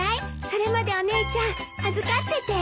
それまでお姉ちゃん預かってて。